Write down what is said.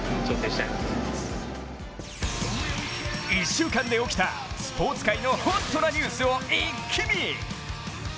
１週間で起きたスポーツ界のホットなニュースを一気見。